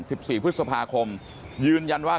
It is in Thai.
คนร้ายกว่าคนเป็นชาวบ้าน